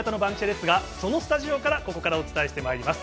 ですが、そのスタジオからここからお伝えしてまいります。